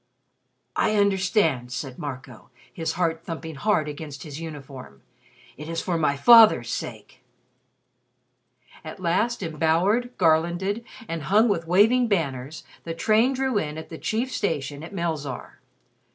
"I understand," said Marco, his heart thumping hard against his uniform. "It is for my father's sake." At last, embowered, garlanded, and hung with waving banners, the train drew in at the chief station at Melzarr.